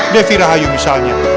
devi rahayu misalnya